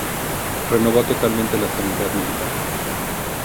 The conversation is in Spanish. Renovó totalmente la sanidad militar.